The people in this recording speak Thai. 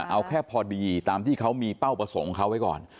เอาแค่พอดีตามที่เขามีเป้าประสงค์ของเขาไว้ก่อน